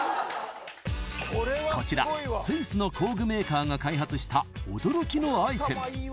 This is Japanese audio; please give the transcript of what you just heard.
こちらスイスの工具メーカーが開発した驚きのアイテム